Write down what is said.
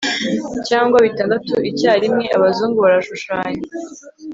cyangwa bitandatu icyarimwe, abazungu barashushanya